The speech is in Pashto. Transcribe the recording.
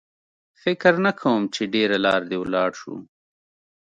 فکر نه کوم چې ډېره لار دې ولاړ شو.